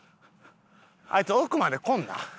あいつ奥までこんな。